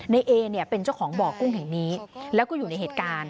เอเนี่ยเป็นเจ้าของบ่อกุ้งแห่งนี้แล้วก็อยู่ในเหตุการณ์